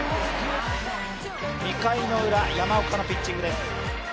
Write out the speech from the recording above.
２回ウラ、山岡のピッチングです。